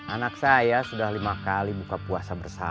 anak saya sudah lima kali buka puasa bersama